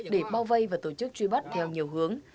để bao vây và tổ chức truy bắt theo nhiều hướng